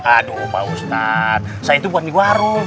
aduh pak ustadz saya itu bukan di warung